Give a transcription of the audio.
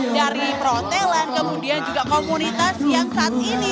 dari perhotelan kemudian juga komunitas yang saat ini